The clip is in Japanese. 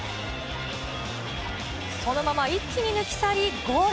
そのまま一気に抜き去りゴール。